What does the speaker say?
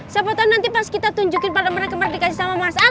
siapa tau nanti pas kita tunjukin pada mereka berdikasi sama mas al